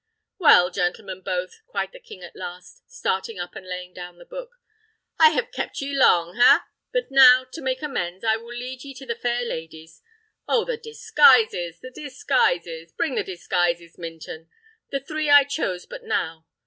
"Well, gentlemen both," cried the king at last, starting up and laying down the book; "I have kept ye long ha? But now, to make amends, I will lead ye to the fair ladies. Oh, the disguises! the disguises! Bring the disguises, Minton; the three I chose but now.